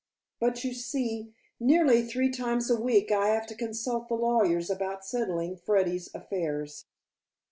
But you see, nearly three times a week I have to consult the lawyers about settling Freddy's affairs."